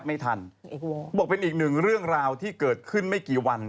ไม่ทันโอ้โหบอกเป็นอีกหนึ่งเรื่องราวที่เกิดขึ้นไม่กี่วัน